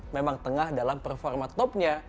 memang tengah dalam performa topnya